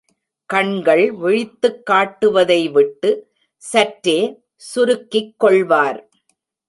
கண்கள் விழித்துக்காட்டுவதைவிட்டு, சற்றே சுருக்கிக்கொள்வார்!